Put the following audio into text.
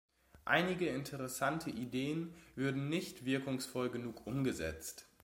Einige interessante Ideen würden nicht wirkungsvoll genug umgesetzt.